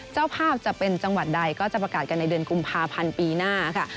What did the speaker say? เจ้าภาพจะเป็นจังหวัดใดก็จะประกาศกันในเดือนกุมภาพันธ์ปีหน้าค่ะ